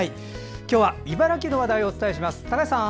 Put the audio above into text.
今日は茨城の話題をお伝えします。